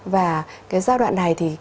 và cái giao đoạn này thì